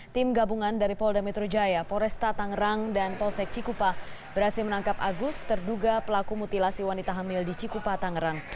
tim gabungan dari polda metro jaya poresta tangerang dan polsek cikupa berhasil menangkap agus terduga pelaku mutilasi wanita hamil di cikupa tangerang